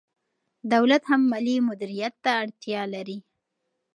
دولت هم مالي مدیریت ته اړتیا لري.